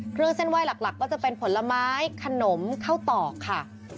เครื่องเส้นไหว้หลักก็จะเป็นผลไม้ขนมข้าวตอกค่ะ